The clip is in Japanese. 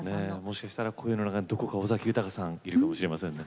もしかしたら声の中にどこか尾崎豊さんいるかもしれませんね。